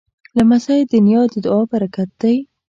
لمسی د نیا د دعا پرکت دی.